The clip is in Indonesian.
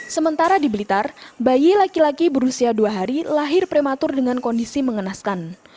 sementara di blitar bayi laki laki berusia dua hari lahir prematur dengan kondisi mengenaskan